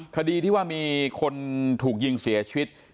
คดีที่ว่ามีคนถูกยิงเสียชีวิต